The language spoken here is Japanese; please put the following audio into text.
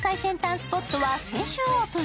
スポットは先週オープン。